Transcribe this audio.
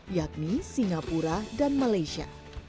yakni singapura dan malaysia